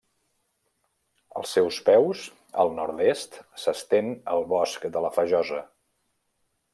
Als seus peus, al nord-est, s'estén el Bosc de la Fajosa.